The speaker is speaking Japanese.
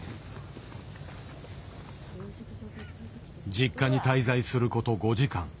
実家に滞在すること５時間。